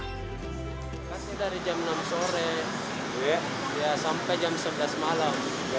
dari jam enam sore sampai jam sebelas malam